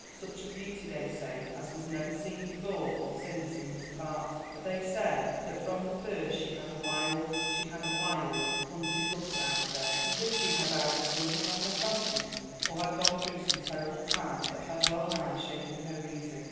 Such a beauty, they say, as was never seen before or since in this part. But they say that from the first she had a wild, hunted look about her, as if she had either something on her conscience, or had gone through some terrible time that had well nigh shaken her reason.